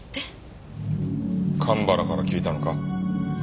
蒲原から聞いたのか？